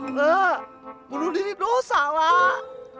elah bunuh diri dosa lah